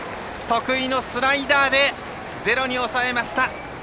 得意のスライダーでゼロに抑えました。